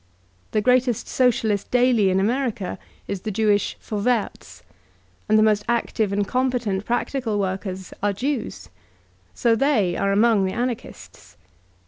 The greatest Socialist daily in America is the Jewish Vorwaerts, and the most active and competent practical workers are Jews. So they are among the A^iarchists.